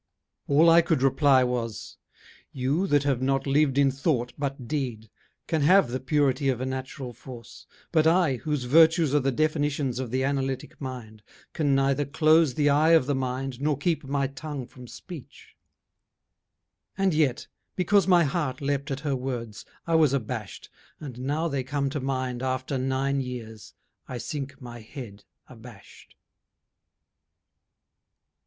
All I could reply Was: 'You, that have not lived in thought but deed, Can have the purity of a natural force, But I, whose virtues are the definitions Of the analytic mind, can neither close The eye of the mind nor keep my tongue from speech.' And yet, because my heart leaped at her words, I was abashed, and now they come to mind After nine years, I sink my head abashed.